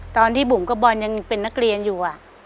ตอนที่บุ๋มกับบอลยังเป็นนักเรียนอยู่